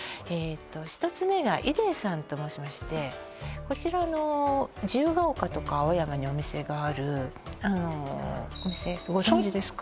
１つ目がイデーさんと申しましてこちら自由が丘とか青山にお店があるちょっとお店ご存じですか？